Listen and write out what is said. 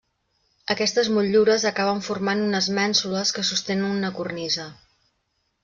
Aquestes motllures acaben formant unes mènsules que sostenen una cornisa.